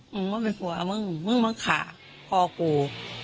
มึงไม่เป็นกลัวมึงไม่ค่าพ่อกู